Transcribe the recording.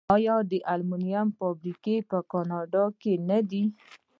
آیا د المونیم فابریکې په کاناډا کې نه دي؟